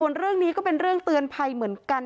ส่วนเรื่องนี้ก็เป็นเรื่องเตือนภัยเหมือนกัน